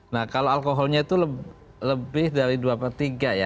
nah kalau alkoholnya itu lebih dari dua per tiga ya